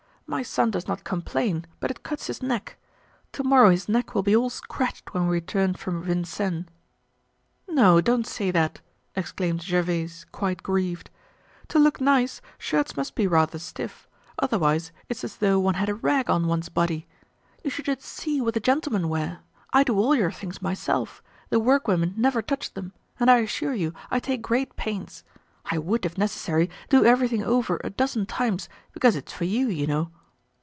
"My son does not complain, but it cuts his neck. To morrow his neck will be all scratched when we return from Vincennes." "No, don't say that!" exclaimed Gervaise, quite grieved. "To look nice, shirts must be rather stiff, otherwise it's as though one had a rag on one's body. You should just see what the gentlemen wear. I do all your things myself. The workwomen never touch them and I assure you I take great pains. I would, if necessary, do everything over a dozen times, because it's for you, you know."